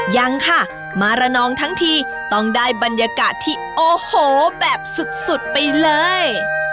ยังค่ะมาระนองทั้งทีต้องได้บรรยากาศที่โอ้โหแบบสุดไปเลย